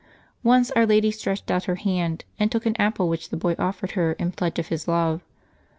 Once Our Lady stretched out her hand, and took an apple which the boy offered her in pledge of his love.